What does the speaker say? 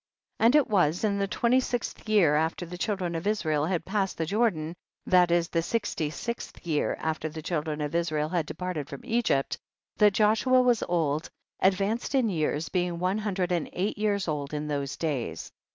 32. And it was in the twenty sixth year after the children of Israel had passed the Jordan, that is the sixty sixth year after the children of Israel had departed from Egypt, that Joshua was old, advanced in years, being one hundred and eight years old in those days.